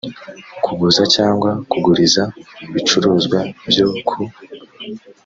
kuguza cyangwa kuguriza ibicuruzwa byo ku